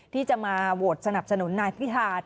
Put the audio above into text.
ที่จะมาโหวตสนับสนุนนายพิธา